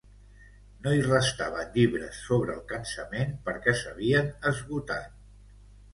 No hi restaven llibres sobre el cansament perquè s'havien esgotat.